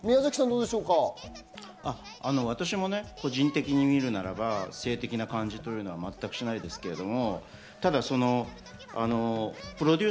私も個人的に見るならば、性的な感じは全くしないですけれども。